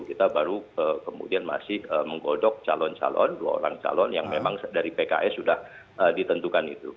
kita baru kemudian masih menggodok calon calon dua orang calon yang memang dari pks sudah ditentukan itu